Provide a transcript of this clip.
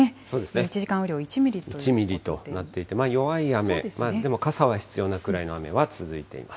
１時間雨量、１ミリとなっていて、弱い雨、でも傘は必要なくらいの雨は続いています。